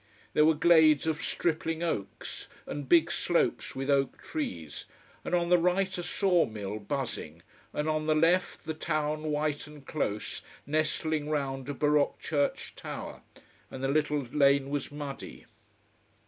There were glades of stripling oaks, and big slopes with oak trees, and on the right a saw mill buzzing, and on the left the town, white and close, nestling round a baroque church tower. And the little lane was muddy.